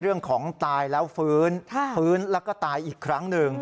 ตายแล้วฟื้นฟื้นแล้วก็ตายอีกครั้งหนึ่ง